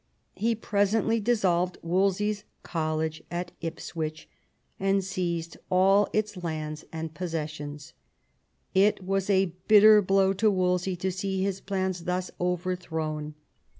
He presently dissolved Wolsey's college at Ipswich, and seized all its lands and possessions. It was a bitter blow to Wolsey to see his plans thus overthrown.